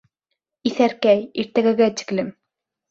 Иҫәркәй, иртәгәгә тиклем.